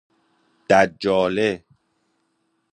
دجاله